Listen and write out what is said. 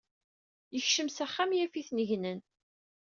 Yekcem s axxam yaf-iten gnen.